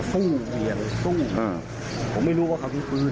หรือปืนมันไม่ออก